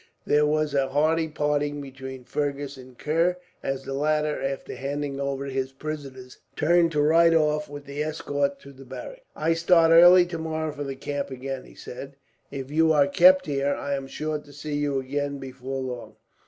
There was a hearty parting between Fergus and Kerr, as the latter, after handing over his prisoners, turned to ride off with the escort to the barracks. "I start early tomorrow for the camp again," he said. "If you are kept here, I am sure to see you again before long."